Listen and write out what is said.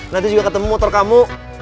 nanti juga ketemu motor kamu